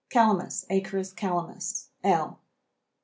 CALAMUS. (Acorus calamus L.)